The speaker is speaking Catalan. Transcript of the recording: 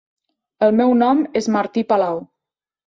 El meu nom és Martí Palau.